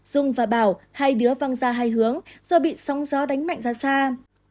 dung và bảo hay đứa văng ra hai hướng do bị sóng gió đánh mạnh ra xa